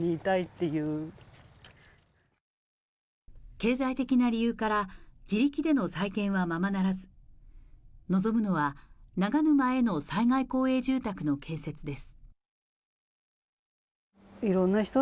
経済的な理由から自力での再建はままならず望むのは長沼への災害公営住宅の建設です